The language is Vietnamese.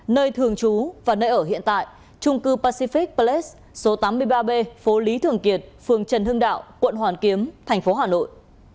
nơi thường trú và nơi ở hiện tại trung cư pacific plex số tám mươi ba b phố lý thường kiệt phường trần hưng đạo quận hoàn kiếm thành phố hà nội